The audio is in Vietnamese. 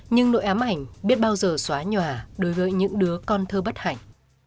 nhưng nội ám ảnh biết bao giờ xóa nhòa đối với những đứa con thơ bất hạnh